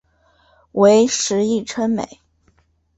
为时议称美。